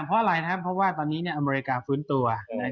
เพราะอะไรนะครับเพราะว่าตอนนี้อเมริกาฟื้นตัว